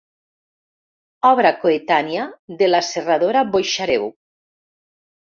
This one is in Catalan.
Obra coetània de la serradora Boixareu.